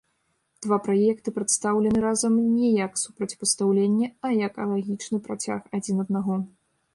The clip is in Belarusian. Два праекты прадстаўлены разам не як супрацьпастаўленне, а як лагічны працяг адзін аднаго.